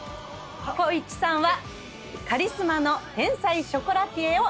光一さんはカリスマの天才ショコラティエを演じます。